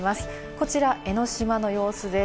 こちら、江の島の様子です。